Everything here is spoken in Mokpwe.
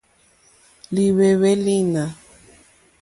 Líhwɛ́hwɛ́ lǐnà.